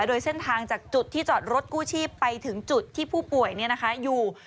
โดยเส้นทางจากจุดที่จอดรถกู้ชีพไปถึงจุดที่ผู้ป่วยอยู่